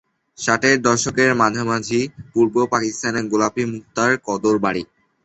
ষাটের দশকের মাঝামাঝি পূর্ব পাকিস্তানে গোলাপি মুক্তার কদর বাড়ে।